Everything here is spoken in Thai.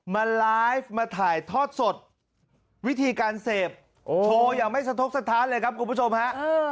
มาไลฟ์มาถ่ายทอดสดวิธีการเสพโชว์อย่างไม่สะทกสถานเลยครับคุณผู้ชมฮะ